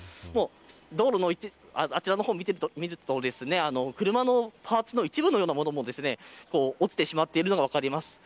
道路を見てみると車のパーツの一部のようなものも落ちてしまっているのが分かります。